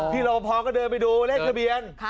พี่รบพก็เดินไปดูเลขทะเบียน